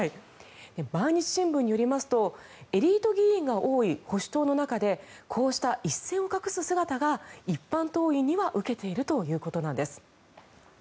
毎日新聞によりますとエリート議員が多い保守党の中でこうした一線を画す姿が一般党員には受けているということなんです。